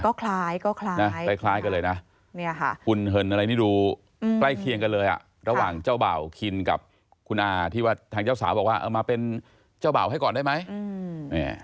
ก็คล้ายก็คล้ายนะคล้ายกันเลยนะเนี่ยค่ะหุ่นเหินอะไรนี่ดูใกล้เคียงกันเลยอ่ะระหว่างเจ้าบ่าวคินกับคุณอาที่ว่าทางเจ้าสาวบอกว่าเออมาเป็นเจ้าบ่าวให้ก่อนได้ไหม